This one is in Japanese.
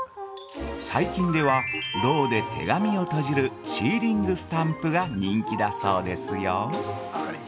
最近ではろうで手紙を閉じるシーリングスタンプが人気だそうですよ。